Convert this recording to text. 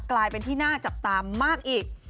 กลายเป็นที่น่าจับตามากอีก